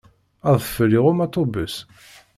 Adfel iɣumm aṭubus.